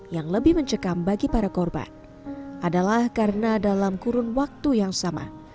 yang lebih mencekam bagi para korban adalah karena dalam kurun waktu yang sama